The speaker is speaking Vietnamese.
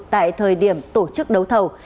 tại thời điểm tổ chức đấu thầu